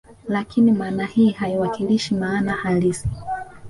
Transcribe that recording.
Lakini maana hii haiwakilishi maana halisi